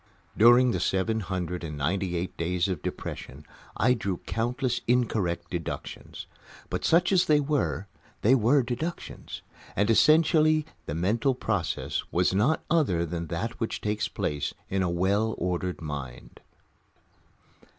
During the seven hundred and ninety eight days of depression I drew countless incorrect deductions. But, such as they were, they were deductions, and essentially the mental process was not other than that which takes place in a well ordered mind.